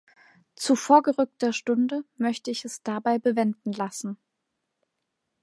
Zu vorgerückter Stunde möchte ich es dabei bewenden lassen.